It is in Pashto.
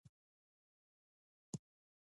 تر ظلم لاندې وو